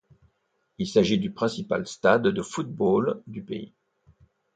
Il s'agit du principal stade de football du pays.